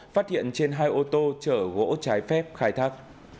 phát hiện trên hai ô tô chở gỗ trái phép khai thác